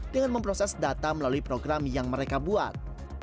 dengan memproses data melalui program yang mereka buat